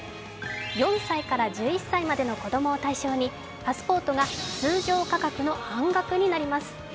４歳から１１歳までの子供を対象にパスポートが通常価格の半額になります。